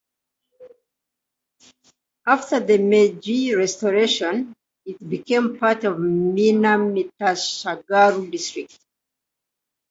After the Meiji Restoration, it became part of Minamitsugaru District.